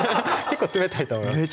結構冷たいと思います